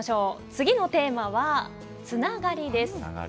次のテーマは、つながりです。